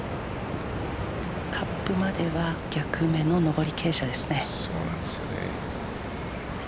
カップまでは逆目の上り傾斜です。